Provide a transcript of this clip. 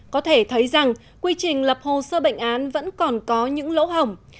có thể thấy rằng quy trình lập hồ sơ bệnh án vẫn còn có những lỗ hỏng